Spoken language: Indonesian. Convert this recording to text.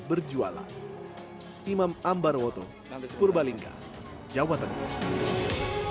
berjualan imam ambar woto kurbalingga jawa tenggara